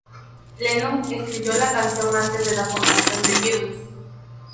Lennon escribió la canción antes de la formación de The Beatles.